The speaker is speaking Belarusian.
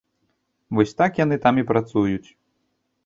Вось так яны там і працуюць.